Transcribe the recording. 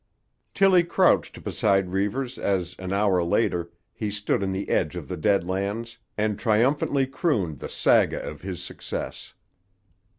Tillie crouched beside Reivers as, an hour later, he stood on the edge of the Dead Lands, and triumphantly crooned the saga of his success.